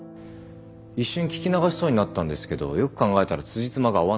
一瞬聞き流しそうになったんですけどよく考えたらつじつまが合わない。